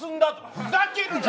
ふざけんな！